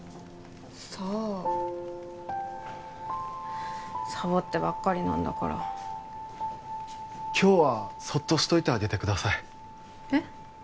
さあサボってばっかりなんだから今日はそっとしておいてあげてくださいえっ？